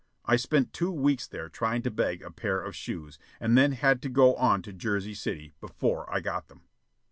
I spent two weeks there trying to beg a pair of shoes, and then had to go on to Jersey City before I got them.